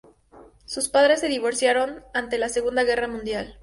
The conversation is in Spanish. Sus padres se divorciaron antes de la Segunda Guerra Mundial.